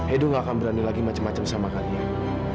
edo gak akan berani lagi macem macem sama kalian